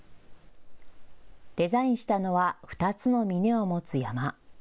デザインしたのは２つの峰を持つ山。